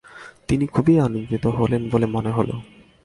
তিনি খুবই আনন্দিত হলেন বলে মনে হল।